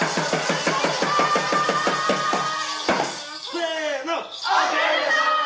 せの。